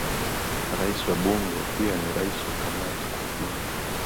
Rais wa Bunge pia ni rais wa Kamati kwa ujumla.